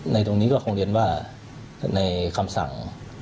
ตรงนี้ก็คงเรียนว่าในคำสั่ง